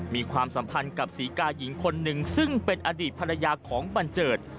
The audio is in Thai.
ความสัมพันธ์กับศรีกาหญิงคนหนึ่งซึ่งเป็นอดีตภรรยาของบันเจิด